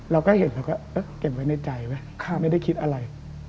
เราก็เห็นเราก็เก็บไว้ในใจไหมไม่ได้คิดอะไร